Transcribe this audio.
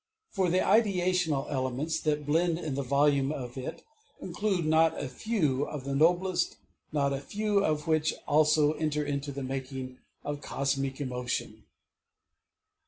For the ideational elements that blend in the volume of it include not a few of the noblest, not a few of those which also enter into the making of Cosmic Emotion.